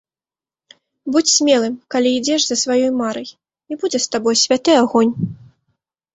Будзь смелым, калі ідзеш за сваёй марай, і будзе з табой святы агонь.